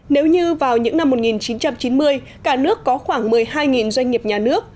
nếu như vào những năm một nghìn chín trăm chín mươi cả nước có khoảng một mươi hai doanh nghiệp nhà nước